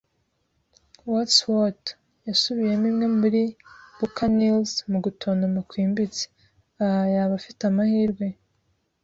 “Wot's wot?” yasubiyemo imwe muri buccaneers mu gutontoma kwimbitse. “Ah, yaba afite amahirwe